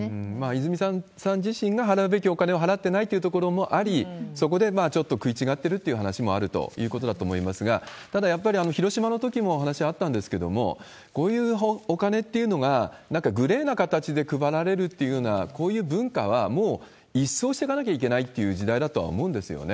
泉田さん自身が払うべきお金を払ってないというところもあり、そこでちょっと食い違っているという話もあるということだと思いますが、ただ、やっぱり広島のときもお話あったんですけれども、こういうお金っていうのが、なんかグレーな形で配られるっていうのは、こういう文化はもう一掃してかなきゃいけないっていう時代だとは思うんですよね。